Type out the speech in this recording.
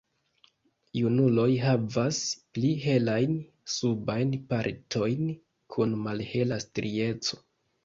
Junuloj havas pli helajn subajn partojn kun malhela strieco.